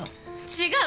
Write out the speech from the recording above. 違う！